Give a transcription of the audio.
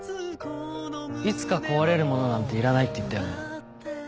いつか壊れるものなんていらないって言っ